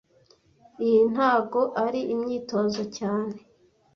Iyi ntago ari imyitozo cyane